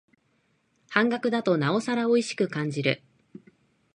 半額だとなおさらおいしく感じる